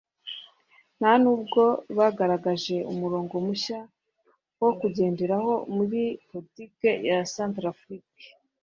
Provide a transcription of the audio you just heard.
nta n’ubwo bagaragaje umurongo mushya wo kugenderaho muri politike ya Centrafrique